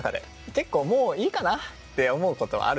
結構もういいかなって思うことあるんですね。